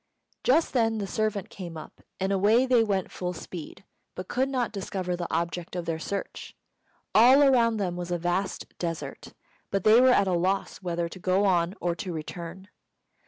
Just then the servant came up, and away they went full speed, but could not discover the object of their search. All around them was a vast desert, and they were at a loss whether to go on or to return.